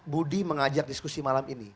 budi mengajak diskusi malam ini